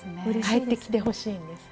帰ってきてほしいんです。